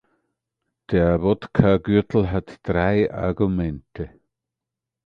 Der Wodkagürtel hat drei Argumente.